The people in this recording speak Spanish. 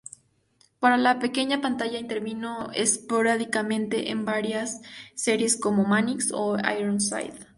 Para la pequeña pantalla intervino esporádicamente en varias series como "Mannix" o "Ironside".